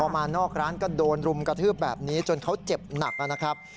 มานอกร้านก็โดนรุมกระทืบแบบนี้จนเขาเจ็บหนักนะครับ